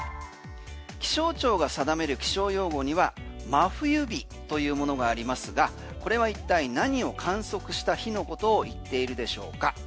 気象庁が定める気象用語には真冬日というものがありますがこれは一体何を観測した日のことを言っているでしょうか？